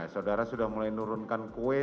saudara sudah mulai nurunkan kue